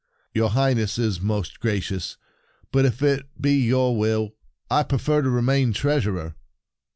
" Your Highness is most gra cious ; but, if it be your will, I prefer to remain Treasurer."